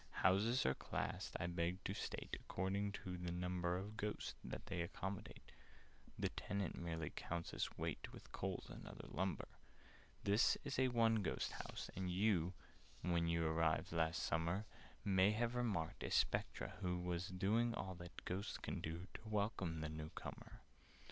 "Houses are classed, I beg to state, According to the number Of Ghosts that they accommodate: (The Tenant merely counts as weight, With Coals and other lumber). "This is a 'one ghost' house, and you When you arrived last summer, May have remarked a Spectre who Was doing all that Ghosts can do To welcome the new comer.